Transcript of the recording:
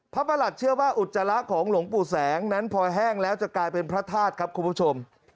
ประหลัดเชื่อว่าอุจจาระของหลวงปู่แสงนั้นพอแห้งแล้วจะกลายเป็นพระธาตุครับคุณผู้ชม